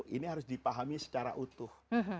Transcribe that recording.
ini harus dipahami secara utuh